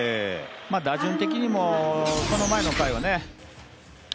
打順的にも、この前の回はね